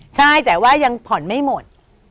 ใช่แต่ว่ายังผ่อนไม่หมด